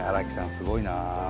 すごいな。